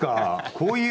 こういう。